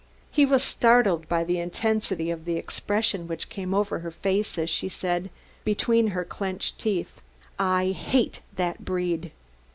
He was startled by the intensity of the expression which came over her face as she said, between her clenched teeth: "I hate that 'breed'!"